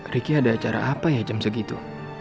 ricky ada acara apa ya jam segitu